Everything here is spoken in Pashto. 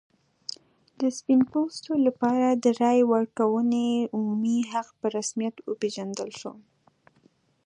د سپین پوستو لپاره د رایې ورکونې عمومي حق په رسمیت وپېژندل شو.